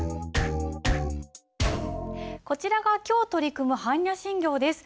こちらが今日取り組む般若心経です。